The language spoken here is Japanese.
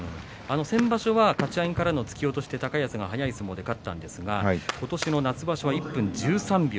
先場所はかち上げからの突き落としで高安が勝ったんですが今年の夏場所は１分１３秒。